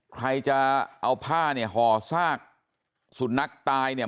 ใครจะเอาผ้าเนี่ยห่อซากสุนัขตายเนี่ย